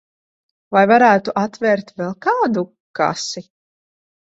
Vai varētu atvērt vēl kādu kasi?